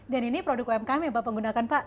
dan ini produk umkm ya pak penggunakan pak